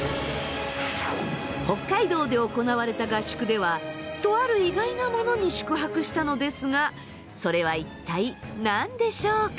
北海道で行われた合宿ではとある意外なモノに宿泊したのですがそれは一体何でしょうか？